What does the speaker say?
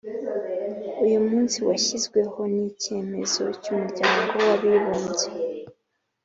Uyu munsi washyizweho n’icyemezo cy’Umuryango w Abibumbye